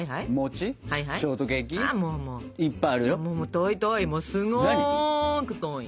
遠い遠いすごく遠い。